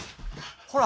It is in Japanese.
ほら！